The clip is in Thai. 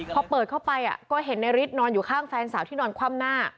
พอเปิดเข้าไปก็เห็นในฤทธิ์นอนอยู่ข้างแฟนสาวที่นอนคว่ำหน้า